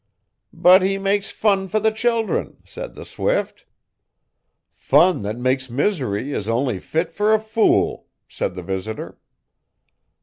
'"But he makes fun fer the children," said the swift. '"Fun that makes misery is only fit fer a fool," said the visitor.